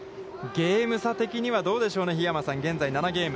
ゲーム差的にはどうでしょうね、桧山さん、現在７ゲーム。